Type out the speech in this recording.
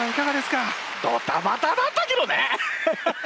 ドタバタだったけどね！